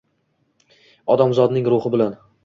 Odamzodning ruhi bilan